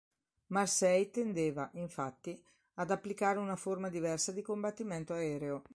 Marseille tendeva, infatti, ad applicare una forma diversa di combattimento aereo.